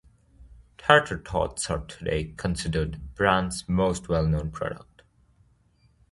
Tater Tots are today considered the brand's most well known product.